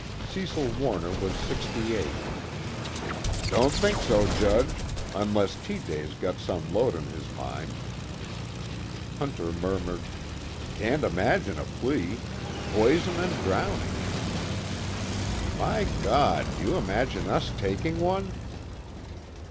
Cecil Warner was sixty eight. "Don't think so, Judge, unless T. J.'s got some load on his mind." Hunter murmured: "Can't imagine a plea poison and drowning." "My God, do you imagine us taking one?"